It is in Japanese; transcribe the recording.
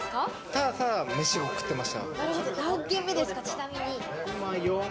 ただただ飯を食ってました。